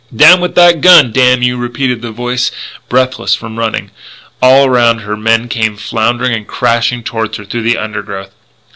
"Down with that gun, damn you!" repeated the voice, breathless from running. All around her men came floundering and crashing toward her through the undergrowth.